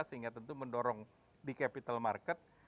sehingga tentu mendorong di capital market